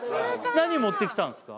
何持ってきたんすか？